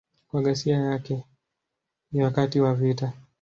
Kwa ghasia yake wakati wa vita.